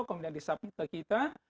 kemudian disubmit ke kita